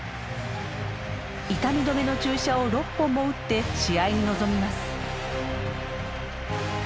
痛み止めの注射を６本も打って試合に臨みます。